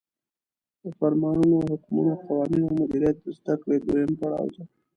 د فرمانونو، حکمونو، قوانینو او مدیریت د زدکړو دویم پړاو ته